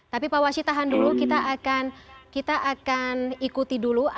tapi pak washi tahan dulu kita akan ikuti dulu